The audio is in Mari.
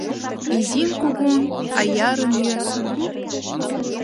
Изин-кугун, аярын-йӧсын